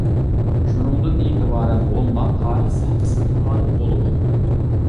شۇنىڭدىن ئېتىبارەن ھونلار تارىخ سەھنىسىدىن غايىب بولىدۇ.